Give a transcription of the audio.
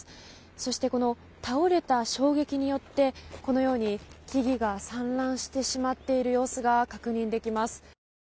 そして、倒れた衝撃によってこのように木々が散乱してしまっている様子が確認できます。